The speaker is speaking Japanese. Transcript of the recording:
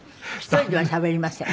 １人ではしゃべりません。